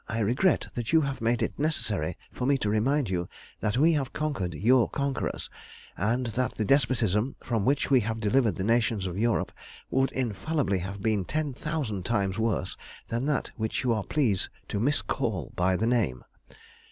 I regret that you have made it necessary for me to remind you that we have conquered your conquerors, and that the despotism from which we have delivered the nations of Europe would infallibly have been ten thousand times worse than that which you are pleased to miscall by the name.